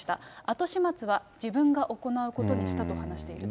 後始末は自分が行うことにしたと話しています。